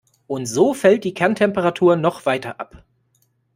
Und so fällt die Kerntemperatur noch weiter ab.